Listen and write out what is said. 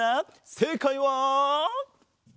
せいかいは。